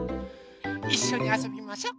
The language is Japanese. いっしょにあそびましょ。